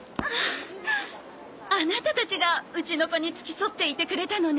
アナタたちがうちの子に付き添っていてくれたのね。